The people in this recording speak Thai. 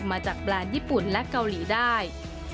แบรนด์ญี่ปุ่นและเกาหลีได้